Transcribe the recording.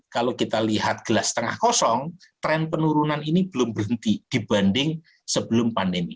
kalau kita lihat gelas tengah kosong tren penurunan ini belum berhenti dibanding sebelum pandemi